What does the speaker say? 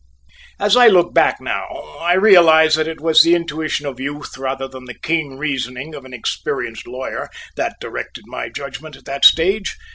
As I look back now I realize that it was the intuition of youth rather than the keen reasoning of an experienced lawyer that directed my judgment at that stage.